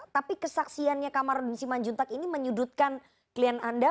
tapi kesaksiannya kamar redungsi manjuntak ini menyudutkan klien anda